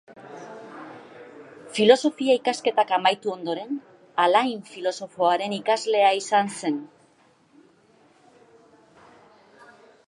Filosofia-ikasketak amaitu ondoren, Alain filosofoaren ikasle izan zen.